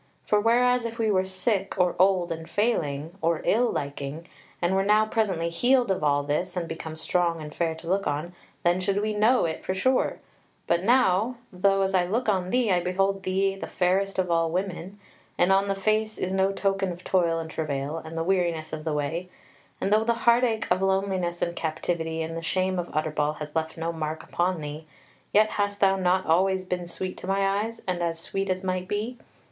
For whereas if we were sick or old and failing, or ill liking, and were now presently healed of all this, and become strong and fair to look on, then should we know it for sure but now, though, as I look on thee, I behold thee the fairest of all women, and on thy face is no token of toil and travail, and the weariness of the way; and though the heart ache of loneliness and captivity, and the shame of Utterbol has left no mark upon thee yet hast thou not always been sweet to my eyes, and as sweet as might be?